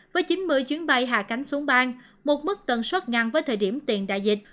với chín mươi chuyến bay hạ cánh xuống bang một mức tần suất ngang với thời điểm tiền đại dịch